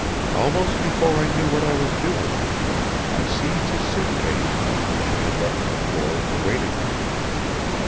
Almost before I knew what I was doing I seized his suit case, which he had left on the floor of the waiting room.